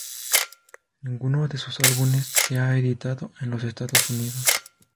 Ninguno de sus álbumes se ha editado en los Estados Unidos.